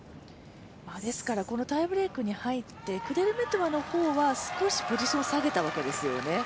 このタイブレークに入って、クデルメトワの方は少しポジションを下げたわけですよね。